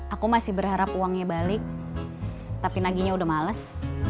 aku masih berharap uangnya balik tapi naginya udah males